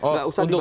tidak usah dibahas